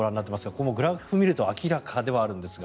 このグラフを見ると明らかではあるんですが。